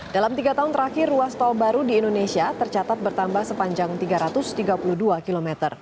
dalam tiga tahun terakhir ruas tol baru di indonesia tercatat bertambah sepanjang tiga ratus tiga puluh dua km